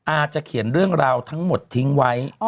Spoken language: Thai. อาจจะเขียนเรื่องราวทั้งหมดทิ้งไว้